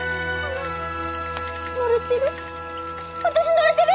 乗れてる？